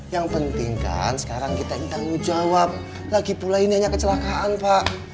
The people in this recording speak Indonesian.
yang pentingkan sekarang kita tanggung jawab lagi pula ini hanya kecelakaan pak